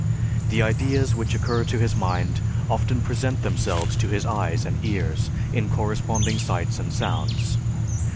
The ideas which occur to his mind often present themselves to his eyes and ears in corresponding sights and sounds....